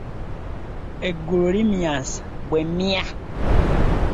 Eggulu limyansa be mmya.